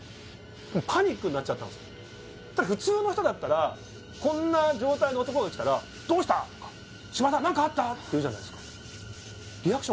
パニックになっちゃったんすよそしたら普通の人だったらこんな状態の男が来たら「どうした？」とか「島田何かあった？」って言うじゃないっすか